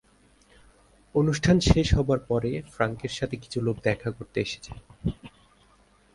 অনুষ্ঠান শেষ হবার পরে, ফ্রাঙ্কের সাথে কিছু লোক দেখা করতে আসে।